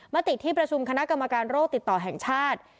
ติที่ประชุมคณะกรรมการโรคติดต่อแห่งชาติ